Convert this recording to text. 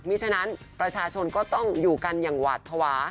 ฉะนั้นประชาชนก็ต้องอยู่กันอย่างหวาดภาวะ